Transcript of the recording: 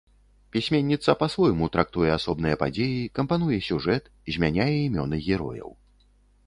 Пісьменніца па-свойму трактуе асобныя падзеі, кампануе сюжэт, змяняе імёны герояў.